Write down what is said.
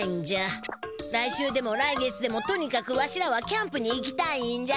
来週でも来月でもとにかくわしらはキャンプにいきたいんじゃ。